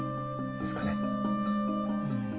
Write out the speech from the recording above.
ですかね？